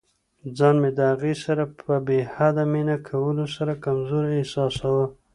ځان مې د هغې سره په بې حده مینه کولو سره کمزوری احساساوه.